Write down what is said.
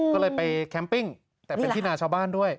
ก็เลยไปแคมปิ้งแต่เป็นที่นาชาวบ้านด้วย